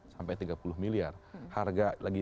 sampai tiga puluh miliar harga lagi